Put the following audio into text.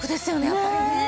やっぱりね。